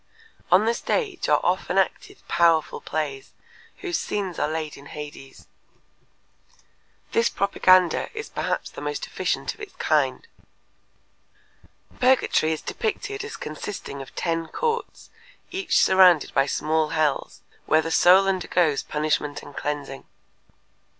On the stage are often acted powerful plays whose scenes are laid in Hades. This propaganda is perhaps the most efficient of its kind. Purgatory is depicted as consisting of ten courts each surrounded by small hells, where the soul undergoes punishment and cleansing.